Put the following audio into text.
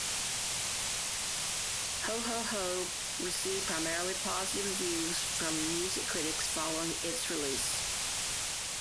"Ho Ho Ho" received primarily positive reviews from music critics following its release.